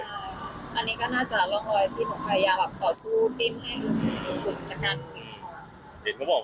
อันนี้ก็น่าจะร่องรอยที่หนูพยายามแบบต่อสู้ดิ้นให้ฝึกชะกัน